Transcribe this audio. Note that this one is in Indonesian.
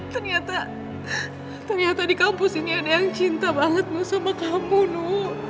ternyata ternyata di kampus ini ada yang cinta banget mu sama kamu